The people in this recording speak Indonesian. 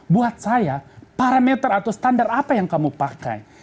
buat saya parameter atau standar apa yang kamu pakai